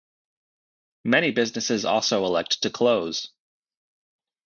Many businesses also elect to close.